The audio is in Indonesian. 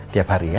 tiap hari ya